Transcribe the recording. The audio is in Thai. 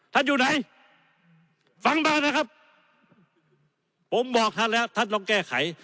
ท่านอยู่ไหนฟังมานะครับผมบอกท่านแล้วท่านต้องแก้ไข